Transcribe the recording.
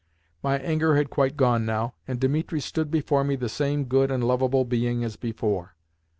My anger had quite gone now, and Dimitri stood before me the same good and lovable being as before.